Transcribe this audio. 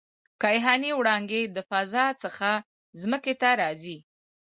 کیهاني وړانګې د فضا څخه ځمکې ته راځي.